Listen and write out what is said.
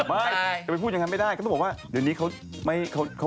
ไม่จะไปพูดอย่างนั้นไม่ได้ก็ต้องบอกว่าเดี๋ยวนี้เขาไม่เขา